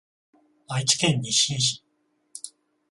愛知県日進市